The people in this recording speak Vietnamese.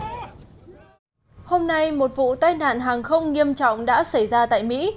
hôm nay một vụ tai nạn hàng không nghiêm trọng đã xảy ra tại mỹ